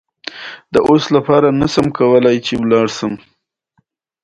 هغه د بیت المقدس په زاړه ښار کې اوسېږي.